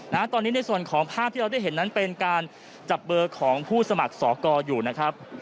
นะตอนนี้ในส่วนของภาพที่เราได้เห็นนั้นเป็นการจับเบอร์ของผู้สมัครสอกรอยู่นะครับ